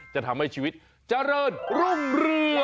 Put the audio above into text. จะทำให้ชีวิตเจริญรุ่งเรือง